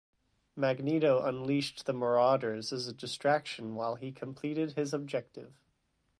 Magneto unleashed the Marauders as a distraction while he completed his objective.